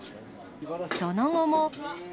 その後も。